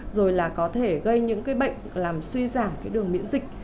rồi là có thể gây những bệnh làm suy giảm đường miễn dịch